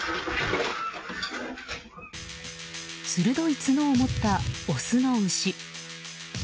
鋭い角を持ったオスの牛。